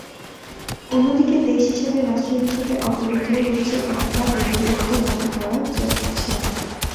অন্যদিকে দেশ হিসেবে, রাষ্ট্র হিসেবে অগ্রগতিও হচ্ছে—একটা বৈপরীত্য লক্ষ করা যাচ্ছে।